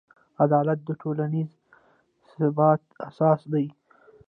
عدالت د ټولنیز ثبات اساس دی.